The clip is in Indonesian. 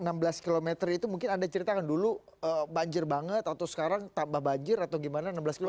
enam belas km itu mungkin anda ceritakan dulu banjir banget atau sekarang tambah banjir atau gimana enam belas km